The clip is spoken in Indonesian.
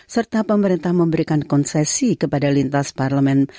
serta pemerintah memberikan konsesi kepada lintas parlemen